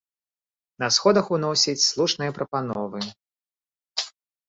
На сходах ўносіць слушныя прапановы.